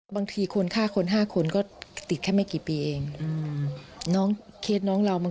บางทีควรฆ่าคนห้าคนก็ติดแค่ไม่กี่ปีเองอืมน้องเคสน้องเรามัน